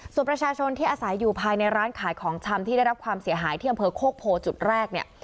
ส่วนประชาชนที่อาศัยอยู่ภายในร้านขายของชำที่ได้รับความเสียหายที่อำเภอโคกโพจุดแรกเนี่ย